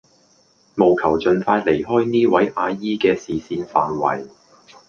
務求盡快離開呢位阿姨嘅視線範圍